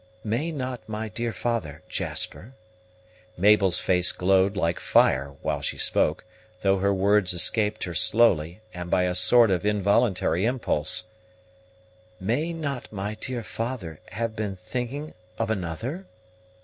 "May not my dear father, Jasper," Mabel's face glowed like fire while she spoke, though her words escaped her slowly, and by a sort of involuntary impulse, "may not my dear father have been thinking of another?